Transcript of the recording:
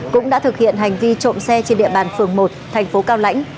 cũng đã thực hiện hành vi trộm xe trên địa bàn phường một thành phố cao lãnh